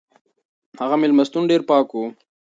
هغه مېلمستون ډېر پاک و.